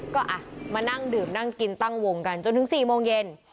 ก็มานั่งดื่มนั่งกินตั้งวงกันจนถึง๔โมงเย็น